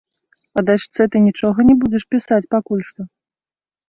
А дачцэ ты нічога не будзеш пісаць пакуль што?